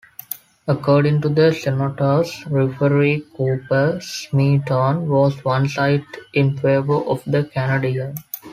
According to the Senators, referee Cooper Smeaton was one-sided in favour of the Canadiens.